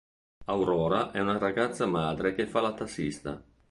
Aurora è una ragazza madre che fa la tassista.